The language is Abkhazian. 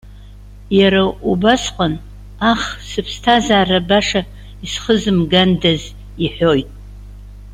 Иара убасҟан: Ах, сыԥсҭазаара баша исхызымгандаз!- иҳәоит.